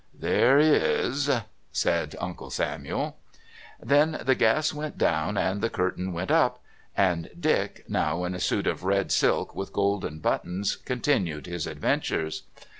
"There is," said Uncle Samuel. Then the gas went down, and the curtain went up, and Dick, now in a suit of red silk with golden buttons, continued his adventures.